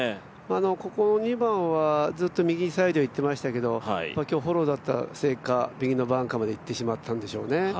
ここ２番はずっと右サイドいってますけど今日フォローだったせいか右のバンカーまで行ってしまったんでしょうね。